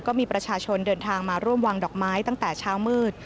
ก็มีประชาชนเดินทางมาร่วมวางดอกไม้ตั้งแต่เช้ามืด